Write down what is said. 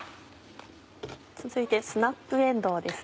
続いてスナップえんどうです。